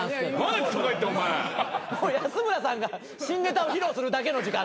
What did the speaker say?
安村さんが新ネタを披露するだけの時間。